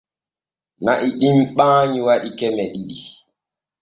Na'i ɗim ɓaanyi waɗii keme ɗiɗi.